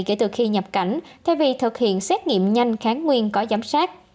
kể từ khi nhập cảnh thay vì thực hiện xét nghiệm nhanh kháng nguyên có giám sát